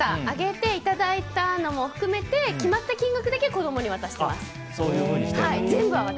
あげて、いただいたのも含めて決まった金額だけ子供に渡してます。